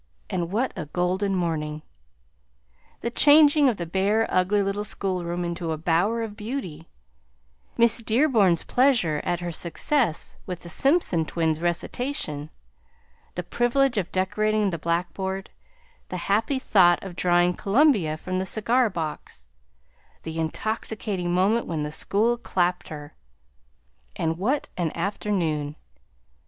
And what a golden morning! The changing of the bare, ugly little schoolroom into a bower of beauty; Miss Dearborn's pleasure at her success with the Simpson twins' recitation; the privilege of decorating the blackboard; the happy thought of drawing Columbia from the cigar box; the intoxicating moment when the school clapped her! And what an afternoon!